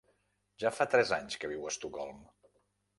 Ja fa tres anys que viu a Estocolm.